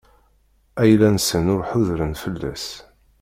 Ayla-nsen ur ḥudren fell-as.